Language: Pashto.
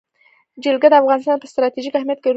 جلګه د افغانستان په ستراتیژیک اهمیت کې رول لري.